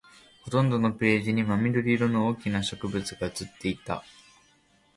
ほとんどのページに真緑色の大きな植物が写っていた